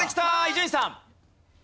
伊集院さん。